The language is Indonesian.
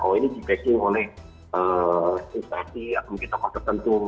oh ini di pacing oleh instansi atau tokoh tertentu